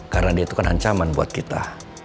karena dia tuh kan ancaman buat kita